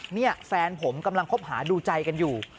นี่แฟนผมกำลังคบหาดูใจกันอยู่